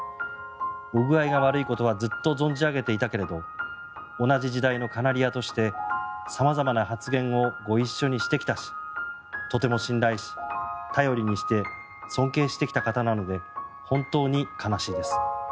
お具合が悪いことはずっと存じ上げていたけども同じ時代のカナリアとして様々な発言をご一緒にしてきたしとても信頼し頼りにして尊敬してきた方なので本当に悲しいです。